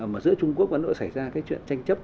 mà giữa trung quốc và ấn độ xảy ra cái chuyện tranh chấp